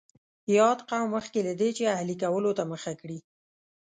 یاد قوم مخکې له دې چې اهلي کولو ته مخه کړي.